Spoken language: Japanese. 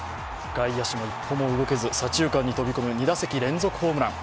外野手も一歩も動けず左中間に飛び込む２打席連続ホームラン。